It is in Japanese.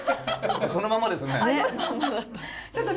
そのままですね！